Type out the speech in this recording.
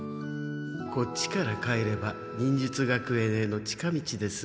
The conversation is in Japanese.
こっちから帰れば忍術学園への近道です。